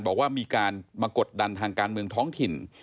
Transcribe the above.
บอกว่ามีการมากดดันทางการเมืองท้องถิ่น